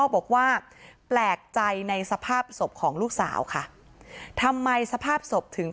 บอกว่าแปลกใจในสภาพศพของลูกสาวค่ะทำไมสภาพศพถึง